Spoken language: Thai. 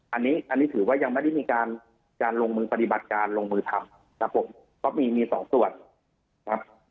อันนี้อันนี้ถือว่ายังไม่ได้มีการการลงมือปฏิบัติการลงมือทำครับผมเพราะมีมีสองส่วนครับ